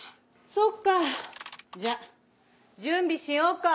そっかじゃあ準備しようか。